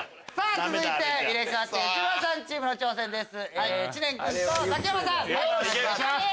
続いて入れ替わって内村さんチームの挑戦です。